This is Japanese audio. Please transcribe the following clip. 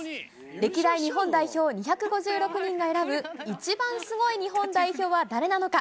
歴代日本代表２５６人が選ぶ、一番すごい日本代表は誰なのか。